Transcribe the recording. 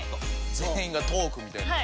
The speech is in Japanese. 全員がトークみたいな。